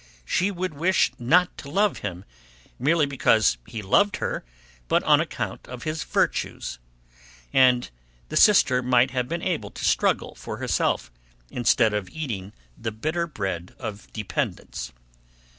She would wish not to love him, merely because he loved her, but on account of his virtues; and the sister might have been able to struggle for herself, instead of eating the bitter bread of dependence.